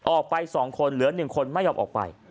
ออกไป๒คนเหลือ๑คนไม่ยอมออกไป